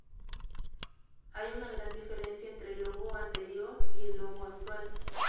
Hay una gran diferencia entre el logo anterior y el logo actual.